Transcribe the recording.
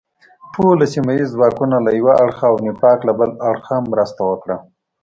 ټول سیمه ییز ځواکونه له یو اړخه او نفاق له بل اړخه مرسته وکړه.